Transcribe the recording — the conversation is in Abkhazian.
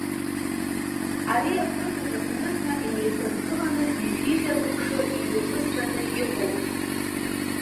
Ари агәырӷьаратә ныҳәа инеиԥынкыланы ҩажәижәаба мшы имҩаԥысран иҟоуп.